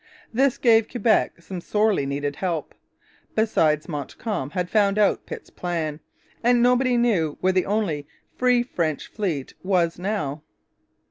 This gave Quebec some sorely needed help. Besides, Montcalm had found out Pitt's plan; and nobody knew where the only free French fleet was now.